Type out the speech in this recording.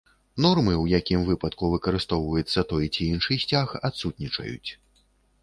Нормы, у якім выпадку выкарыстоўваецца той ці іншы сцяг адсутнічаюць.